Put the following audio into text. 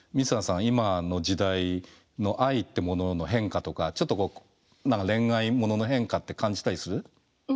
今の時代の愛ってものの変化とかちょっと恋愛ものの変化って感じたりする？